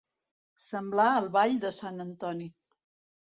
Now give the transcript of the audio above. Semblar el ball de sant Antoni.